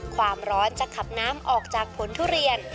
ความร้อนจะขับน้ำออกจากผลทุเรียน